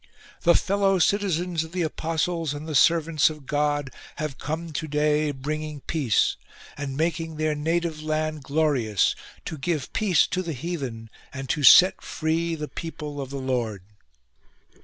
" The fellow citizens of the apostles and the servants of God have come to day bringing peace, and making their native land glorious, to give peace to the heathen and to set free the people of the Lord."